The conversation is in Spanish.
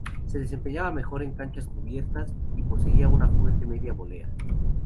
Se desempeñaba mejor en canchas cubiertas y poseía una fuerte media volea.